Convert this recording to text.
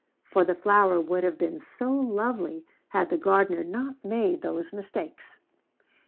For the flower would have been so lovely had the gardener not made those mistakes.